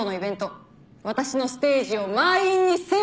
私のステージを満員にせよ！